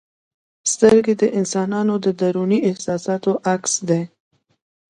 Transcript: سترګې د انسان د دروني احساساتو عکس دی.